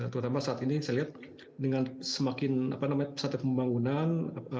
terutama saat ini saya lihat dengan semakin pesatnya pembangunan